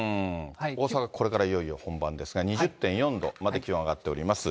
大阪、これからいよいよ本番ですが、２０．４度まで気温上がっております。